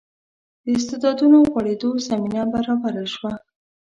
د استعدادونو غوړېدو زمینه برابره شوه.